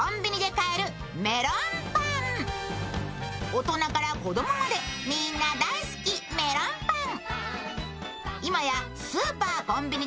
大人から子供までみんな大好きメロンパン。